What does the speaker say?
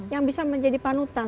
yang bisa menjadi panutan